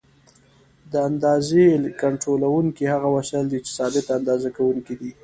د اندازې کنټرولوونکي هغه وسایل دي چې ثابت اندازه کوونکي دي.